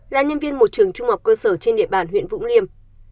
là nhân viên một trường trung học cơ sở trên địa bàn huyện vũng liêm